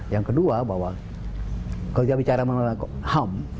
yang kedua bahwa kalau kita bicara mengenai ham